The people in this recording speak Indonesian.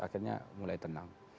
akhirnya mulai tenang